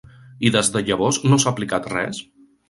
I des de llavors no s’ha aplicat res?